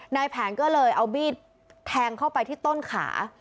นายแผนก็เลยเอามีดแทงเข้าไปที่ต้นขา